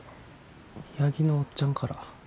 八木のおっちゃんから。